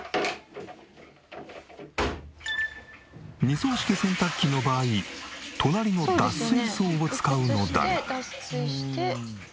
二槽式洗濯機の場合隣の脱水槽を使うのだが。